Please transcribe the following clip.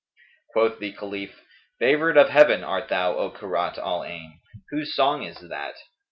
Quoth the Caliph, "Favoured of Heaven art thou, O Kurrat al Ayn! Whose song is that?"